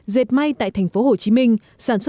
dệt may tại thành phố hồ chí minh